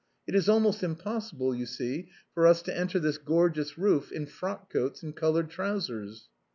It is almost impossible, you see, for us to enter this gorgeous roof in frock coats and colored trousers."